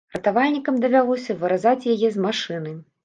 Ратавальнікам давялося выразаць яе з машыны.